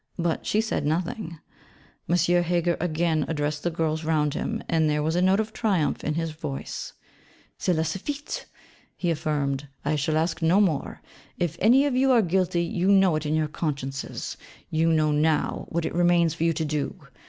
But she said nothing. M. Heger again addressed the girls round him, and there was a note of triumph in his voice: 'Cela suffit,' he affirmed, 'I shall ask no more. If any of you are guilty, you know it in your consciences: you know now what it remains for you to do.